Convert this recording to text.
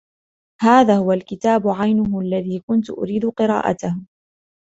هذا هو الكتاب عينه الذي كنت أريد قراءته.